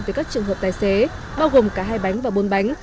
về các trường hợp tài xế bao gồm cả hai bánh và bốn bánh